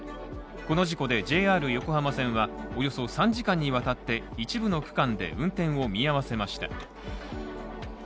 この事故でＪＲ横浜線はおよそ３時間にわたって一部の区間で運転を見合わせました。